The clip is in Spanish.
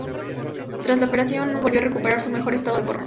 Tras la operación, nunca volvió a recuperar su mejor estado de forma.